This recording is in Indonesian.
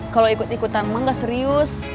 kalau ikut ikutan mah gak serius